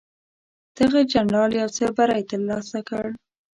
دغه جنرال یو څه بری ترلاسه کړ.